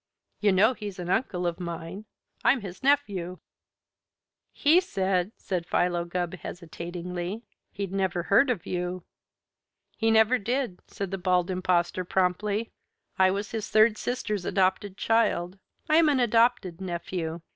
You know he's an uncle of mine. I'm his nephew." "He said," said Philo Gubb hesitatingly, "he'd never heard of you." "He never did," said the Bald Impostor promptly. "I was his third sister's adopted child I am an adopted nephew.